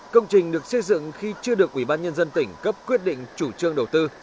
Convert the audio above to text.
công trình được xây dựng khi chưa được ubnd tỉnh cấp quyết định chủ trương đầu tư